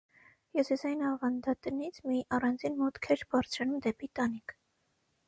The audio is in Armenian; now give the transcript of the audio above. Հյուսիսային ավանդատնից մի առանձին մուտք էր բարձրանում դեպի տանիք։